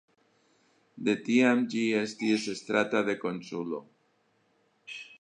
De tiam ĝi estis estrata de konsulo.